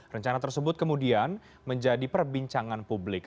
rencana tersebut kemudian menjadi perbincangan publik